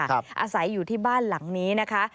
อาศัยอยู่ที่บ้านหลังนี้นะคะ